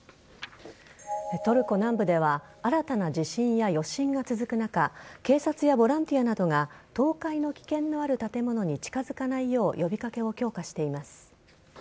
トルコ南部では新たな地震や余震が続く中警察やボランティアなどが倒壊の危険のある建物に近づかないよう呼び掛けを強化しています。